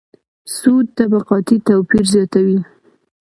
سود طبقاتي توپیر زیاتوي.